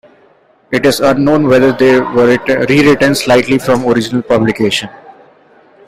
It is unknown whether they were rewritten slightly from original publication.